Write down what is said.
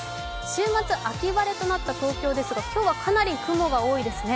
週末秋空となった東京ですが、今日はかなり雲が多いですね。